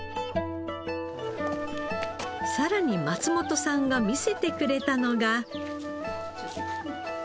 さらに松本さんが見せてくれたのが。